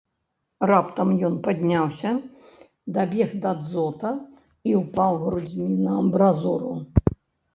Раптам ён падняўся, дабег да дзота і ўпаў грудзьмі на амбразуру.